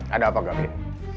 ada apa gafin